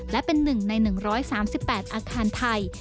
และเป็น๑ใน๑๓๘อาคารไทย